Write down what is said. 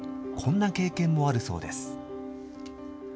こんな経験もあるそうです。